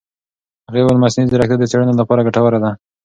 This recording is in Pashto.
هغې وویل مصنوعي ځیرکتیا د څېړنو لپاره ګټوره ده.